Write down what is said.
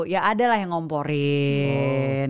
ya ada lah yang ngomporin